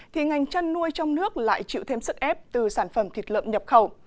thì ngành chăn nuôi trong nước lại chịu thêm sức ép từ sản phẩm thịt lợn nhập khẩu